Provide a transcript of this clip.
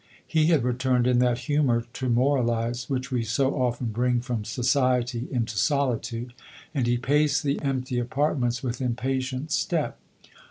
He had re turned in that humour to moralize, which we so often bring from society into solitude ; and he paced the empty apartments with impatient step.